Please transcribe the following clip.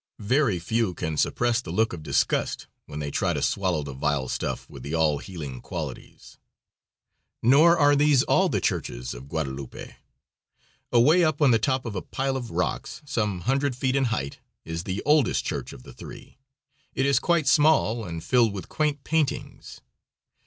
Very few can suppress the look of disgust when they try to swallow the vile stuff with the all healing qualities. Nor are these all the churches of Guadalupe. Away up on the top of a pile of rocks, some hundred feet in height, is the oldest church of the three. It is quite small, and filled with quaint paintings.